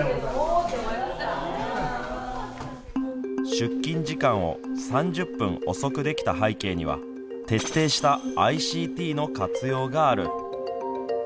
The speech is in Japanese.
出勤時間を３０分遅くできた背景には徹底したＩＣＴの活用がある。